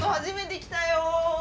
初めて来たよ。